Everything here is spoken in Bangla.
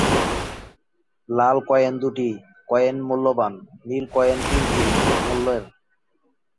লাল কয়েন দুটি কয়েন মূল্যবান, নীল কয়েন তিনটি মূল্যের।